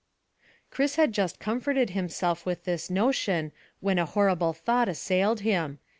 Chris had just comforted himself with this notion when a horrible thought assailed him.